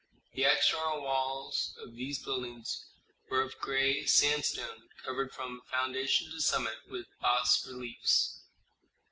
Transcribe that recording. The external walls of these buildings were of gray sandstone covered from foundation to summit with bas reliefs.